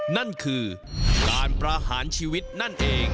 นั่นคือการประหารชีวิตนั่นเอง